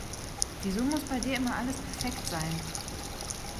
Wieso muss bei dir immer alles perfekt sein?